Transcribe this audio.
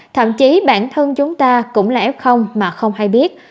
thậm chí bản thân chúng ta cũng là f mà không hay biết